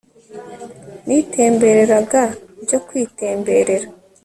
nitembereraga byo kwitemberera